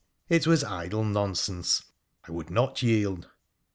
It was idle nonsense ; I would not yield.